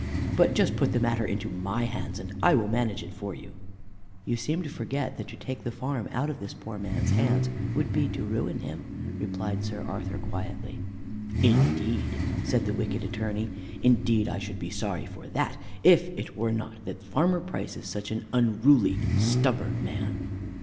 But just put the matter into my hands and I will manage it for you." "You seem to forget that to take the farm out of this poor man's hands would be to ruin him," replied Sir Arthur, quietly. "Indeed," said the wicked Attorney, "indeed I should be sorry for that, if it were not that Farmer Price is such an unruly, stubborn man."